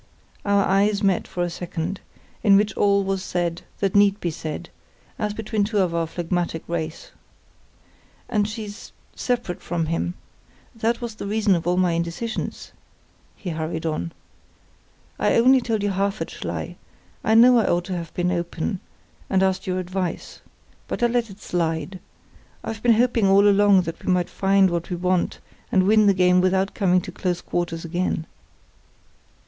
Our eyes met for a second, in which all was said that need be said, as between two of our phlegmatic race. "And she's—separate from him. That was the reason of all my indecisions." he hurried on. "I only told you half at Schlei. I know I ought to have been open, and asked your advice. But I let it slide. I've been hoping all along that we might find what we want and win the game without coming to close quarters again."